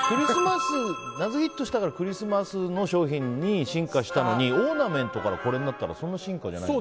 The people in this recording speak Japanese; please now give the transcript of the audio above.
謎ヒットしたからクリスマスの商品に進化したのに、オーナメントからこれになったらそんな進化じゃない。